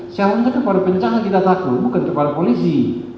siapa yang terkena pada pencahat kita takut bukan kepada polisi